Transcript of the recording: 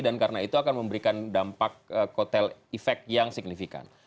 dan karena itu akan memberikan dampak kotel efek yang signifikan